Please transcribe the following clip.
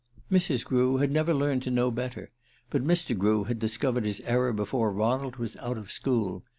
Mrs. Grew had never learned to know better; but Mr. Grew had discovered his error before Ronald was out of school.